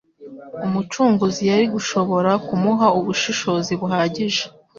Umucunguzi yari gushobora kumuha ubushishozi buhagije